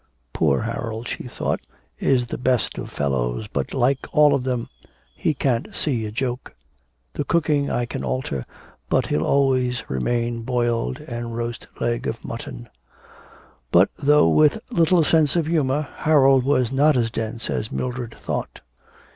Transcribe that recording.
'Poor Harold,' she thought, 'is the best of fellows, but, like all of them, he can't see a joke. The cooking I can alter, but he'll always remain boiled and roast leg of mutton.' But, though with little sense of humour, Harold was not as dense as Mildred thought.